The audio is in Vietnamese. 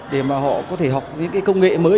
để mà họ có thể học những cái công nghệ mới